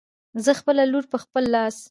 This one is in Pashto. زه خپله لور په خپل لاس